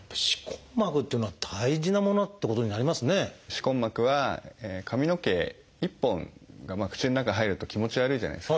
歯根膜は髪の毛１本が口の中へ入ると気持ち悪いじゃないですか。